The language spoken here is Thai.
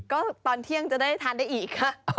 ก็ตอนเที่ยงจะได้ทานได้อีกค่ะ